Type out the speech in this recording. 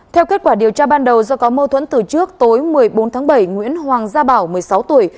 theo kết quả điều tra ban đầu do có mâu thuẫn từ trước tối một mươi bốn tháng bảy nguyễn hoàng gia bảo một mươi sáu tuổi